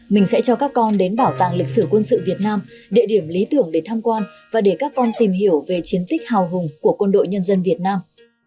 mình sẽ cho các con đến bảo tàng lịch sử quân sự việt nam địa điểm lý tưởng để tham quan và để các con tìm hiểu về chiến tích hào hùng của quân đội nhân dân việt nam